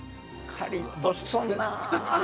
カリッとしとんなあ。